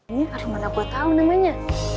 ini dari mana gue tahu namanya